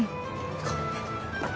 行こう。